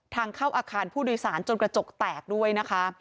ทางเข้าอาคารผู้โดยสารจนกระจกแตกด้วยนะคะ